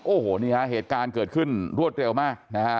โอ้นะตอนนี้ก็เกิดขึ้นรวดเร็วมาก